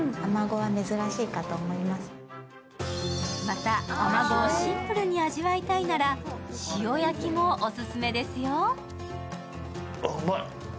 また、あまごをシンプルに味わいたいなら、塩焼きもオススメですよ。